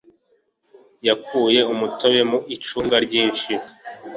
Yakuye umutobe mu icunga ryinshi.